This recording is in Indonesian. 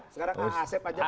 sekarang aasep aja